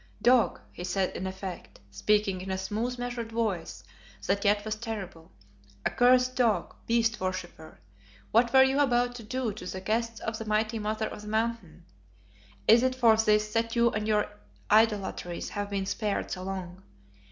"Dog," he said in effect, speaking in a smooth, measured voice that yet was terrible, "accursed dog, beast worshipper, what were you about to do to the guests of the mighty Mother of the Mountain? Is it for this that you and your idolatries have been spared so long?